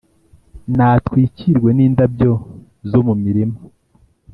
Natwikirwe n’indabyo zo mu mirima,